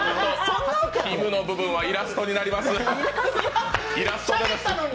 きむの部分はイラストになります。